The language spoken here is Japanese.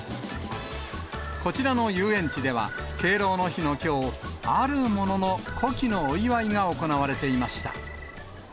こちらの遊園地では、敬老の日のきょう、あるものの古希のお祝いが行われていました。